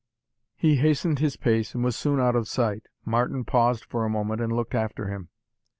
He hastened his pace, and was soon out of sight. Martin paused for a moment, and looked after him.